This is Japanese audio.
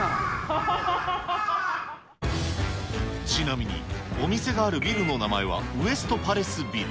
ちなみに、お店があるビルの名前はウエストパレスビル。